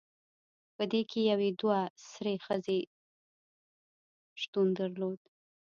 پدې کې یوې دوه سرې ښځې شتون درلود